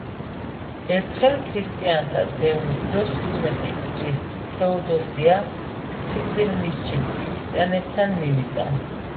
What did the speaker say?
ერთხელ, ქრისტიანთა დევნის დროს, ჩვიდმეტი წლის თეოდოსია სიკვდილმისჯილ ქრისტიანებთან მივიდა.